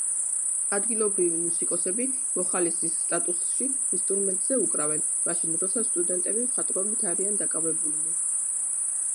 ადგილობრივი მუსიკოსები, მოხალისის სტატუსში, ინსტრუმენტზე უკრავენ, მაშინ როცა სტუდენტები მხატვრობით არიან დაკავებულნი.